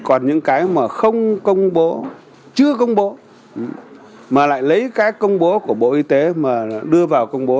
còn những cái mà không công bố chưa công bố mà lại lấy các công bố của bộ y tế mà đưa vào công bố